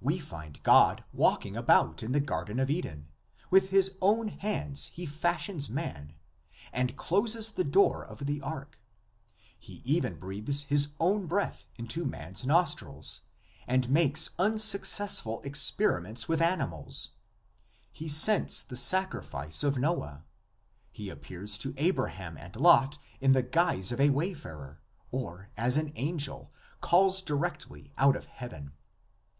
We find God walking about in the Garden of Eden; with his own hands he fash ions man and closes the door of the ark; he even breathes his own breath into man's nostrils, and makes unsuccessful experiments with animals; he scents the sacrifice of Noah; he appears to Abraham and Lot in the guise of a wayfarer, or, as an angel, calls directly out of Heaven.